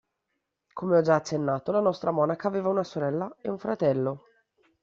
Come ho già accennato, la nostra monaca aveva una sorella e un fratello.